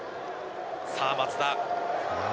さあ、松田。